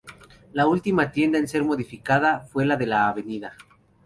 La última tienda en ser modificada fue la de la Av.